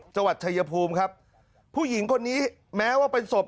จังหวัดชายภูมิครับผู้หญิงคนนี้แม้ว่าเป็นศพ